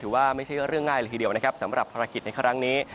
ว่าไม่ใช่เรื่องง่ายเลยทีเดียวนะครับสำหรับภารกิจในครั้งนี้